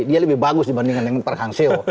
dia lebih bagus dibandingkan yang park hangseo